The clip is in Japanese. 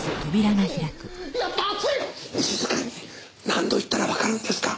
何度言ったらわかるんですか！